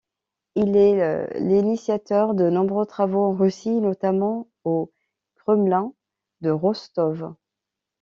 Il est l'initiateur de nombreux travaux en Russie et notamment au Kremlin de Rostov.